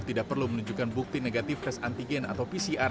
tidak perlu menunjukkan bukti negatif tes antigen atau pcr